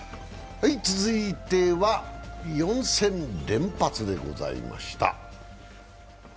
続いては、４戦連発でございました。